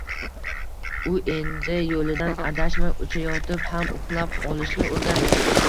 U endi, yo‘lidan adashmay, uchayotib ham uxlab olishga o‘rgandi.